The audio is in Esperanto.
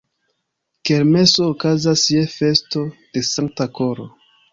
Kermeso okazas je festo de Sankta Koro.